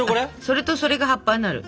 それとそれが葉っぱになる。